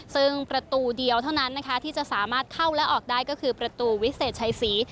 ซึ่งประตูเดียวเท่านั้นนะคะที่จะสามารถเข้าและออกได้ก็คือประตูวิเศษชัยศรี